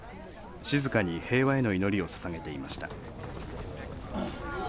静かに平和への祈りをささげていました。